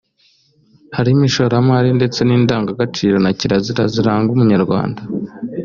harimo ishoramari ndetse n’indanga gaciro na kirazira ziranga Umunyarwanda